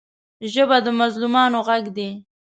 ژبه د مظلومانو غږ دی